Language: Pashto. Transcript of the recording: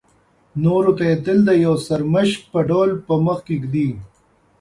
نورو ته یې تل د یو سرمشق په ډول په مخکې ږدي.